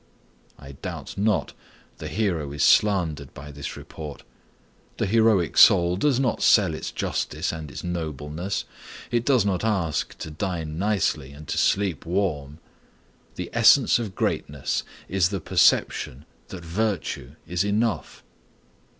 I doubt not the hero is slandered by this report. The heroic soul does not sell its justice and its nobleness. It does not ask to dine nicely and to sleep warm. The essence of greatness is the perception that virtue is enough.